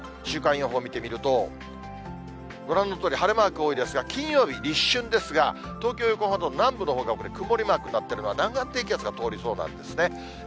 週間予報見てみると、ご覧のとおり、晴れマーク多いですが、金曜日、立春ですが、東京、横浜、南部のほうが曇りマークになってるのは南岸低気圧が通りそうなんですね。